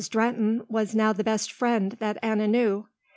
Drehten was now the best friend that Anna knew.